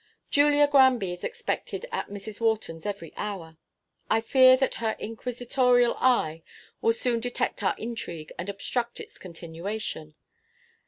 Julia Granby is expected at Mrs. Wharton's every hour. I fear that her inquisitorial eye will soon detect our intrigue and obstruct its continuation.